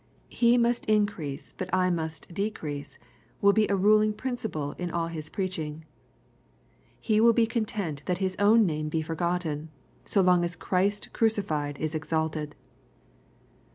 " He must increase but I must decrease," will be a ruling principle in all his preaching. He will be content that his own name be forgotten, so long as Christ crucified is exalted.